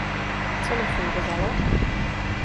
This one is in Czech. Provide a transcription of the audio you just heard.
Co nefungovalo?